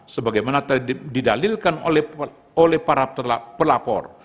sebagaimana didalilkan oleh para pelapor